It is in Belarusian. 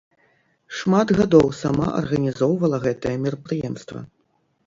Шмат гадоў сама арганізоўвала гэтае мерапрыемства.